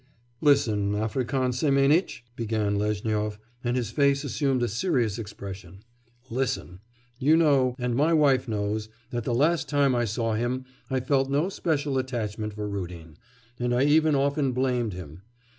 'Listen, African Semenitch!' began Lezhnyov, and his face assumed a serious expression, 'listen; you know, and my wife knows, that the last time I saw him I felt no special attachment for Rudin, and I even often blamed him.